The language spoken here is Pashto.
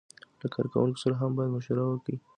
له کارکوونکو سره هم باید مشوره وکړي.